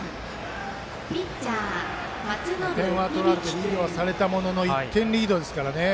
リードされたものの１点リードですからね。